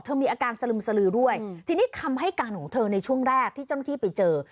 มีอาการสลึมสลือด้วยทีนี้คำให้การของเธอในช่วงแรกที่เจ้าหน้าที่ไปเจอ